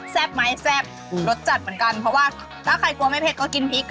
ไหมแซ่บรสจัดเหมือนกันเพราะว่าถ้าใครกลัวไม่เผ็ดก็กินพริก